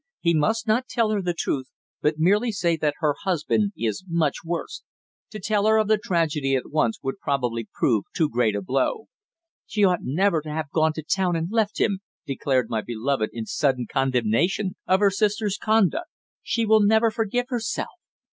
He must not tell her the truth, but merely say that her husband is much worse. To tell her of the tragedy at once would probably prove too great a blow." "She ought never to have gone to town and left him," declared my well beloved in sudden condemnation of her sister's conduct. "She will never forgive herself."